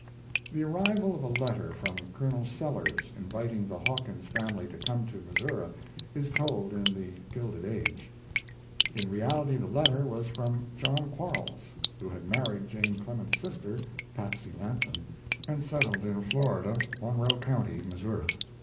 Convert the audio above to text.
The arrival of a letter from "Colonel Sellers" inviting the Hawkins family to come to Missouri is told in The Gilded Age. In reality the letter was from John Quarles, who had married Jane Clemens's sister, Patsey Lampton, and settled in Florida, Monroe County, Missouri.